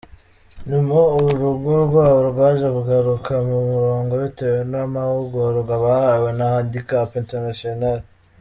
Nyuma, urugo rwabo rwaje kugaruka mu murongo bitewe n’amahugurwa bahawe na Handicap International.